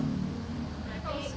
berarti kalau operasi